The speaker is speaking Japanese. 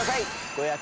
ご予約